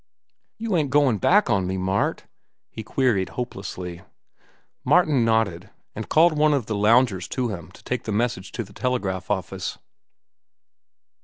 "You ain't goin' back on me, Mart?" he queried hopelessly. Martin nodded, and called one of the loungers to him to take the message to the telegraph office.